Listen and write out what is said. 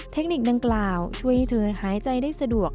เทคนิคดังกล่าวช่วยให้เธอหายใจได้สะดวก